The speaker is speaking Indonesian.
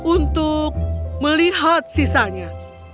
untuk melihat sisanya